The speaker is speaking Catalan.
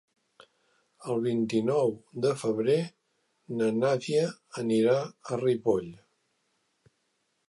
El vint-i-nou de febrer na Nàdia anirà a Ripoll.